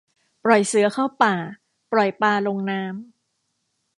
ปล่อยเสือเข้าป่า ปล่อยปลาลงน้ำ